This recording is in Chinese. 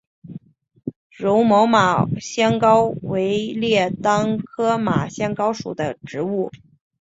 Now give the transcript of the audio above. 柔毛马先蒿为列当科马先蒿属的植物。